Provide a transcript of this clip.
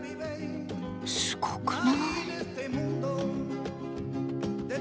すごくない？